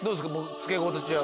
着け心地は。